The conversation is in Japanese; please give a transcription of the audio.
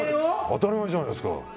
当たり前じゃないですか。